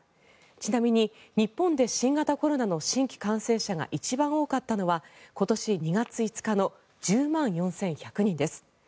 ちなみに日本で新型コロナの新規感染者が一番多かったのは今年２月５日の１０万４１００人です。